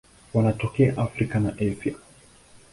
Wanatokea Afrika na Asia.